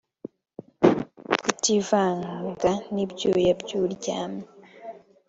tukivanga n’ibyuya by’uryamye